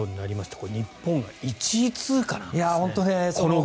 これ、日本が１位通過なんですね